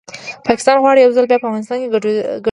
پاکستان غواړي یو ځل بیا په افغانستان کې ګډوډي رامنځته کړي